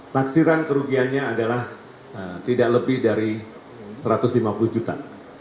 taksiran kerugiannya adalah tidak lebih dari satu ratus lima puluh juta